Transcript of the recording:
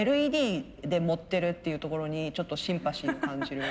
ＬＥＤで盛ってるっていうところにちょっとシンパシーを感じる。